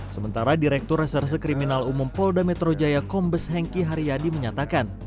sementara direktur reserse kriminal umum polda metro jaya kombes hengki haryadi menyatakan